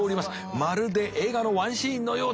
まるで映画のワンシーンのようだ。